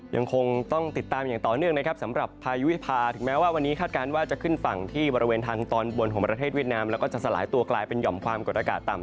ยังคงต้องติดตามอย่างต่อเนื่องนะครับสำหรับพายุวิพาถึงแม้ว่าวันนี้คาดการณ์ว่าจะขึ้นฝั่งที่บริเวณทางตอนบนของประเทศเวียดนามแล้วก็จะสลายตัวกลายเป็นหย่อมความกดอากาศต่ำ